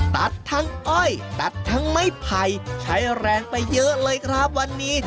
ตัดทั้งอ้อยตัดทั้งไม้ไผ่ใช้แรงไปเยอะเลยครับวันนี้